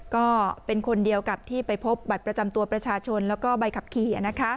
ก็เป็นคนเดียวกับที่ไปพบบัตรประจำตัวประชาชนแล้วก็ใบขับขี่